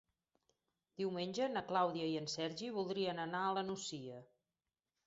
Diumenge na Clàudia i en Sergi voldrien anar a la Nucia.